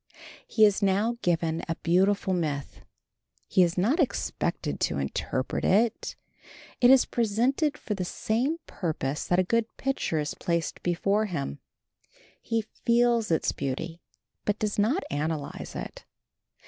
He is now given a beautiful myth. He is not expected to interpret it. It is presented for the same purpose that a good picture is placed before him. He feels its beauty, but does not analyze it.